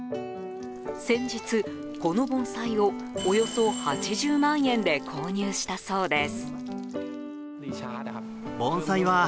先日、この盆栽をおよそ８０万円で購入したそうです。